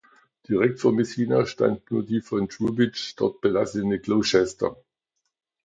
Direkt vor Messina stand nur die von Troubridge dort belassene "Gloucester".